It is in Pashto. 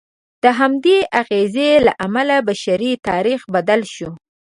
د همدې اغېز له امله بشري تاریخ بدل شو.